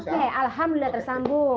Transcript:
oke alhamdulillah tersambung